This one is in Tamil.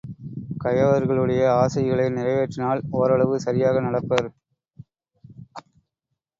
கயவர்களுடைய ஆசைகளை நிறைவேற்றினால் ஒரளவு சரியாக நடப்பர்.